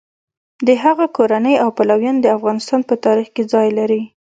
د هغه کورنۍ او پلویان د افغانستان په تاریخ کې ځای لري.